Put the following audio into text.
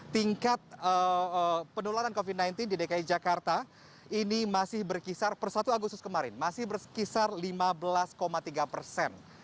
tingkat penularan covid sembilan belas di dki jakarta ini masih berkisar per satu agustus kemarin masih berkisar lima belas tiga persen